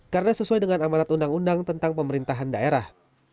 karena sesuai dengan amanat undang undang tentang pemerintahan daerah